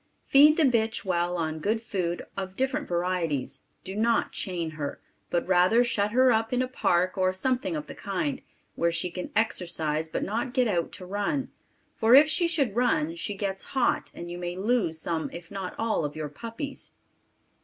Feed the bitch well on good food of different varieties; do not chain her, but rather shut her up in a park of something of the kind, where she can exercise but not get out to run, for if she should run she gets hot and you may loose some if not all of your puppies.